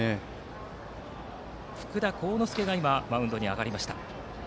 福田幸之介がマウンドに上がりました。